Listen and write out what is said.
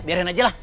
biarin aja lah